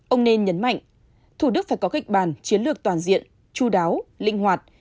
ông nên nhấn mạnh thủ đức phải có kịch bản chiến lược toàn diện chú đáo linh hoạt